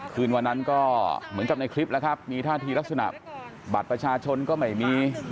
คืนวันนั้นก็เหมือนกับในคลิปแล้วครับมีท่าทีลักษณะบัตรประชาชนก็ไม่มี